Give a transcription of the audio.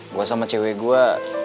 gue sama cewek gue